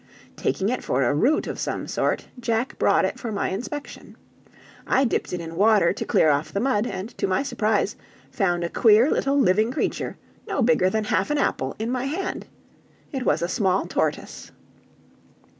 Taking it for a root of some sort, Jack brought it for my inspection. I dipped it in water to clear off the mud, and to my surprise found a queer little living creature, no bigger than half an apple, in my hand. It was a small tortoise.